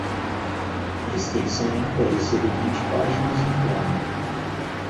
A extensão não pode exceder vinte páginas em um lado.